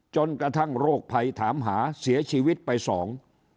จนกระทั่งโรคภัยถามหาเสียชีวิตไปสอง